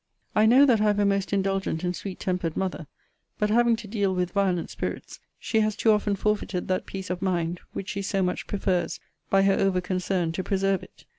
I know that I have a most indulgent and sweet tempered mother; but, having to deal with violent spirits, she has too often forfeited that peace of mind which she so much prefers, by her over concern to preserve it.